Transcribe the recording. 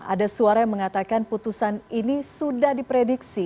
ada suara yang mengatakan putusan ini sudah diprediksi